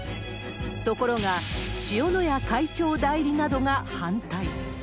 ところが、塩谷会長代理などが反対。